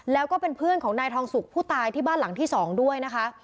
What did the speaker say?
แล้วก็เป็นเพื่อนของนายทองสุกผู้ตายที่บ้านหลังที่๒ด้วยนะคะ